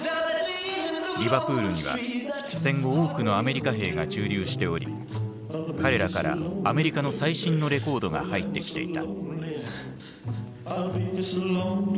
リバプールには戦後多くのアメリカ兵が駐留しており彼らからアメリカの最新のレコードが入ってきていた。